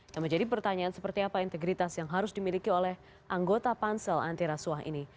yang menjadi pertanyaan seperti apa integritas yang harus dimiliki oleh anggota pansel anti rasuah ini